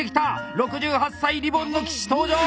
６８歳リボンの騎士登場！